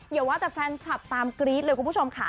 อย่าว่าแต่แฟนคลับตามกรี๊ดเลยคุณผู้ชมค่ะ